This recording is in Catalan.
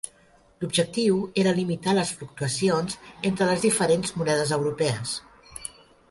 L'objectiu era limitar les fluctuacions entre les diferents monedes europees.